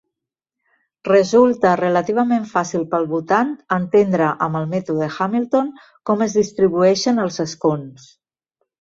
Resulta relativament fàcil pel votant entendre amb el mètode Hamilton com es distribueixen els escons.